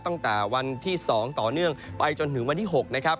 ตั้งแต่วันที่๒ต่อเนื่องไปจนถึงวันที่๖นะครับ